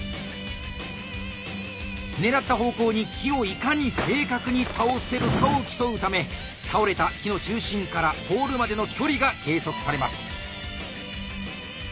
狙った方向に木をいかに正確に倒せるかを競うため倒れた木の中心からポールまでの距離が計測されます。